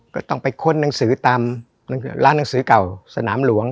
ก็ต้องไปค้นหนังสือตามร้านหนังสือเก่าสนามหลวง